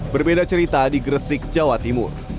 berbeda cerita di gresik jawa timur